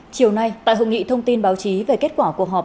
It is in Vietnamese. chiều nay tại hội nghị thông tin báo chí về kết quả cuộc họp